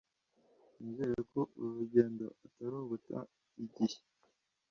Nizere ko uru rugendo atari uguta igihe